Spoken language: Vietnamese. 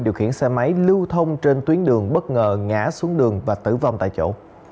điều khiển xe máy lưu thông trên tuyến đường bất ngờ ngã xuống đường và tử vong tại chỗ